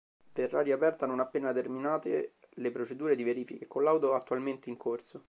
Verrà riaperta non appena terminate le procedure di verifica e collaudo attualmente in corso.